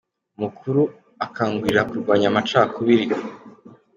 Umukuru akangurira kurwanya amaca kubiri.